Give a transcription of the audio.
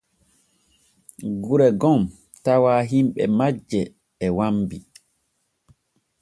Gure gom tawa himɓe majje e wambi.